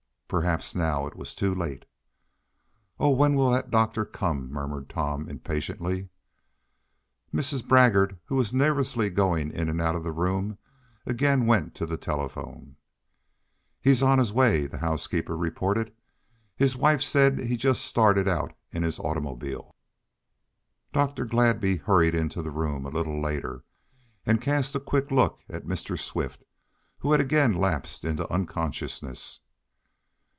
Perhaps now it was too late. "Oh! when will that doctor come?" murmured Tom impatiently. Mrs. Baggert, who was nervously going in and out of the room, again went to the telephone. "He's on his way," the housekeeper reported. "His wife said he just started out in his auto." Dr. Gladby hurried into the room a little later, and cast a quick look at Mr. Swift, who had again lapsed into unconsciousness.